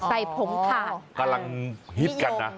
ใส่ผงผักกำลังฮิตกันนะ